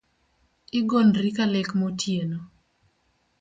Igondri ka lek motieno